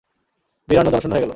বিরান ও জনশূন্য হয়ে গেল।